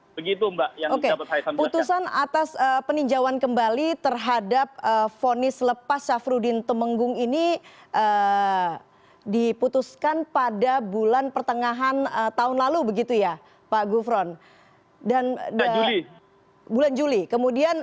begitu mbak yang sudah saya sampaikan